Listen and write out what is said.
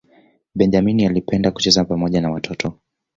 benjamini alipenda kucheza pamoja na watoto